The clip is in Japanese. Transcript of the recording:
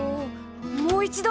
もう一度！